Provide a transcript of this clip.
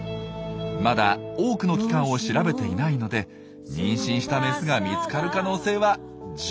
まだ多くの期間を調べていないので妊娠したメスが見つかる可能性は十分あるんですよ。